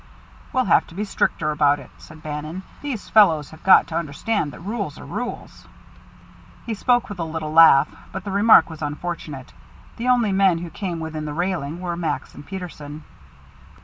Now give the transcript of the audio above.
"We'll have to be stricter about it," said Bannon. "These fellows have got to understand that rules are rules." He spoke with a little laugh, but the remark was unfortunate. The only men who came within the railing were Max and Peterson.